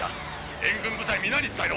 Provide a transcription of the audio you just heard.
援軍部隊皆に伝えろ。